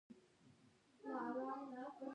اهیمسا یا عدم تشدد د دوی میراث دی.